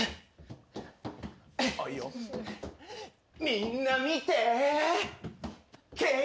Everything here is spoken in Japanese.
みんな見て。